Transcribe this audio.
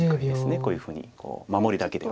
こういうふうに守りだけでは。